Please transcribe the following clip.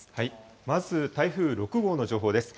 まず台風６号の情報です。